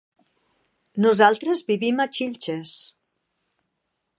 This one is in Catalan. Nosaltres vivim a Xilxes.